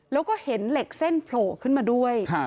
แล้วก็เห็นเหล็กเส้นโผล่ขึ้นมาด้วย